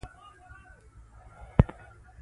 یوازې یې د کونیګاک بوتلونه بیا ځل پرې ایښي و.